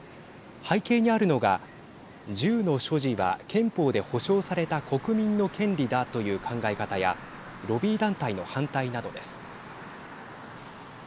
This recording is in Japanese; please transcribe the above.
背景にあるのが銃の所持は憲法で保障された国民の権利だという考え方やロビー団体の反対などです。